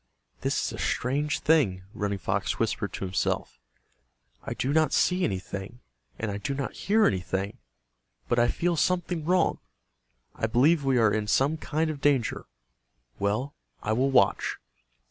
"This is a strange thing," Running Fox whispered to himself. "I do not see anything, and I do not hear anything, but I feel something wrong. I believe we are in some kind of danger. Well, I will watch."